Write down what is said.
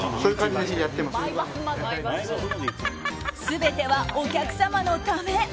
全ては、お客様のため。